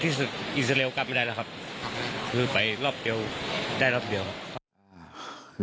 ที่สุดอิสราเอลกลับไม่ได้แล้วครับคือไปรอบเดียวได้รอบเดียวครับ